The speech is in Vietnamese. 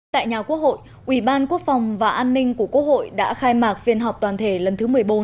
tại nhà quốc hội ủy ban quốc phòng và an ninh của quốc hội đã khai mạc phiên họp toàn thể lần thứ một mươi bốn